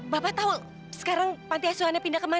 bapak tahu sekarang panti asuhannya pindah ke mana